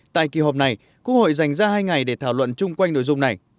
tại kỳ họp này quốc hội dành ra hai ngày để thảo luận chung quanh nội dung này